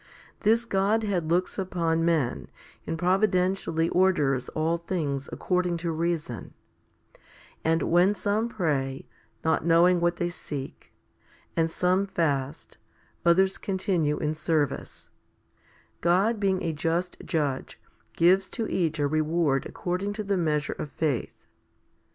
This Godhead looks upon men, and providentially orders all things according to reason; and when some pray, not knowing what they seek, and some fast, others continue in service; God being a just judge, gives to each a reward according to the measure of faith.